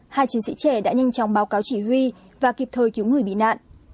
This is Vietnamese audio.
hai chiến sĩ trẻ đã nhanh chóng báo cáo chỉ huy và kịp thời cứu người bị nạn